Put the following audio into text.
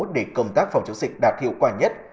để công tác phòng chống dịch đạt hiệu quả nhất